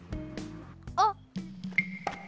あっ！